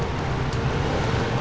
uya buka gerbang